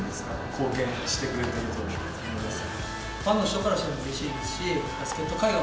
貢献してくれてると思います。